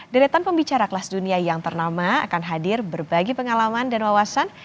deretan pembicara kelas dunia yang ternama akan hadir berbagi pengalaman dan wawasan